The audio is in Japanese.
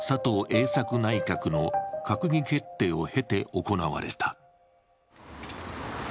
栄作内閣の閣議決定を経て行われた。